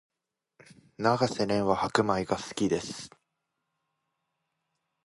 永瀬廉は白米が好きです